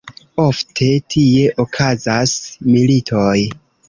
Ofte tie okazas militoj.